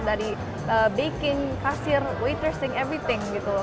dari baking kasir watershing everything gitu loh